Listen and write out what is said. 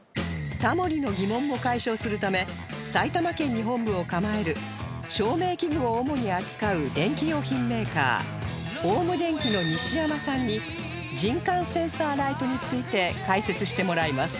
タモリの疑問も解消するため埼玉県に本部を構える照明器具を主に扱う電気用品メーカーオーム電機の西山さんに人感センサーライトについて解説してもらいます